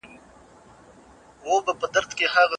هیوادونه د ځمکې د تودوخې د کمولو لپاره کار کوي.